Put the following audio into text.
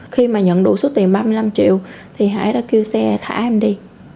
khi mà nhận đủ số tiền ba mươi năm triệu thì hải đã kêu xe thả em đi